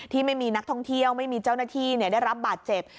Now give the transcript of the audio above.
ที่มีนักท่องเที่ยวไม่มีเจ้าหน้าที่ได้รับบาดเจ็บ